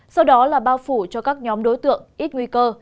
sau đó bao phủ các nhóm đối tượng ít nguy cơ